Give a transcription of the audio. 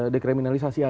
dekriminalisasi aja lah